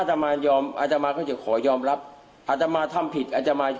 อาตมายอมอาตมาก็จะขอยอมรับอาตมาทำผิดอาจจะมา